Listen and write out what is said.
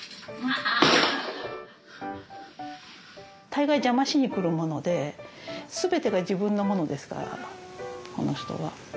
大概邪魔しに来るもので全てが自分のものですからこの人は。